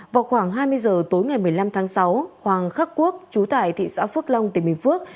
vào khoảng hai mươi giờ tối ngày một mươi năm tháng sáu hoàng khắc quốc chú tại thị xã phước long tỉnh bình phước